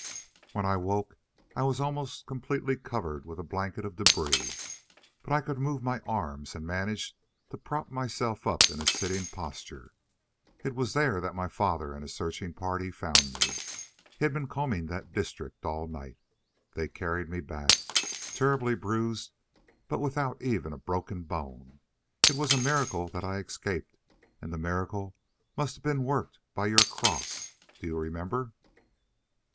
"When I woke I was almost completely covered with a blanket of debris, but I could move my arms, and managed to prop myself up in a sitting posture. It was there that my father and his searching party found me; he had been combing that district all night. They carried me back, terribly bruised, but without even a bone broken. It was a miracle that I escaped, and the miracle must have been worked by your cross; do you remember?"